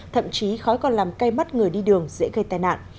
thậm chí khói còn làm cay mắt người đi đường dễ gây tai nạn